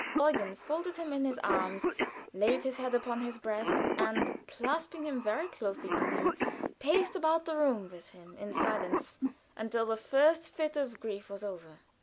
Eugen folded him in his arms, laid his head upon his breast, and clasping him very closely to him, paced about the room with him in silence, until the first fit of grief was over.